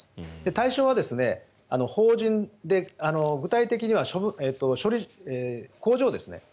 対象は法人で具体的には工場ですね。